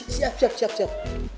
siap siap siap